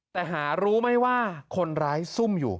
แต่หารู้ไหมว่าคนร้ายซุ่มอยู่